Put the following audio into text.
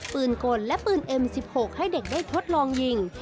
กลและปืนเอ็ม๑๖ให้เด็กได้ทดลองยิง